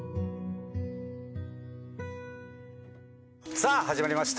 さあ始まりました。